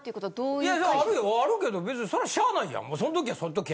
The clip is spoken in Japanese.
いやいやあるよあるけど別にそりゃしゃあないやん。